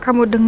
aku sudah tahu